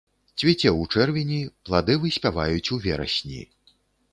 Цвіце ў чэрвені, плады выспяваюць у верасні.